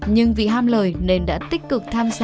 nhưng vì ham lời nên đã tích cực tham gia